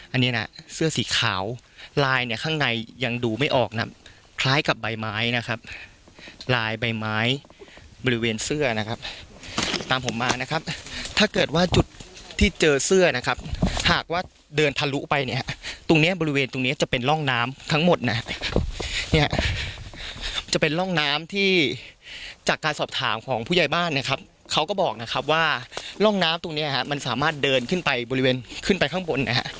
อันนี้นะเสื้อสีขาวลายเนี่ยข้างในยังดูไม่ออกนะคล้ายกับใบไม้นะครับลายใบไม้บริเวณเสื้อนะครับตามผมมานะครับถ้าเกิดว่าจุดที่เจอเสื้อนะครับหากว่าเดินทะลุไปเนี่ยตรงเนี้ยบริเวณตรงเนี้ยจะเป็นร่องน้ำทั้งหมดนะฮะเนี่ยจะเป็นร่องน้ำที่จากการสอบถามของผู้ใหญ่บ้านนะครับเขาก็บอกนะครับว่าร่องน้ำตรงเนี้ยฮะมันสามารถเดินขึ้นไปบริเวณขึ้นไปข้างบนนะฮะ